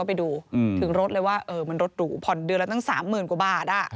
เรียกได้ว่ามันลดหลู่ผ่อนเดือนแล้วตั้ง๓๐๐๐๐กว่าบาท